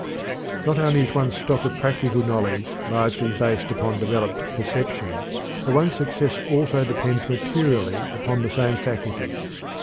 Not only is one's stock of practical knowledge largely based upon developed perception, but one's success also depends materially upon the same faculties.